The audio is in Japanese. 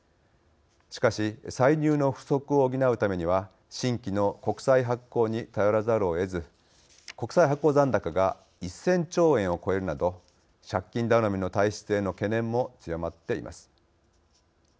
しかし歳入の不足を補うためには新規の国債発行に頼らざるをえず国債発行残高が１，０００兆円を超えるなど借金頼みの体質への懸念も強まっています。